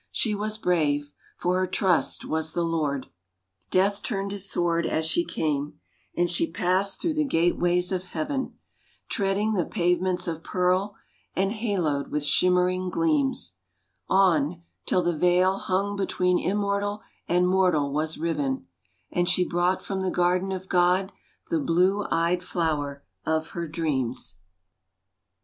She was brave, for her trust was the Lord. Death turned his sword as she came, and she passed through the gateways of heaven, Treading the pavements of pearl and haloed with shimmering gleams, On, till the veil hung between immortal and mortal was riven, And she brought from the garden of God the blue eyed flower of her dreams.